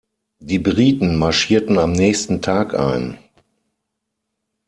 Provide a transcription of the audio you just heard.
Die Briten marschierten am nächsten Tag ein.